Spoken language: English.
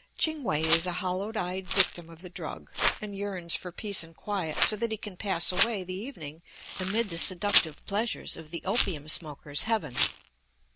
Ching We is a hollow eyed victim of the drug, and yearns for peace and quiet so that he can pass away the evening amid the seductive pleasures of the opium smoker's heaven.